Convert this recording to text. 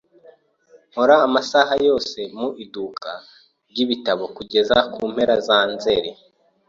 Nkora amasaha yose mu iduka ryibitabo kugeza mu mpera za Nzeri.